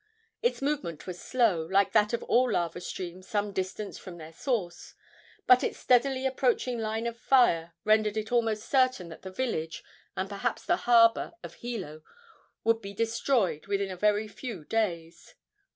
Its movement was slow, like that of all lava streams some distance from their source, but its steadily approaching line of fire rendered it almost certain that the village, and perhaps the harbor, of Hilo would be destroyed within a very few days.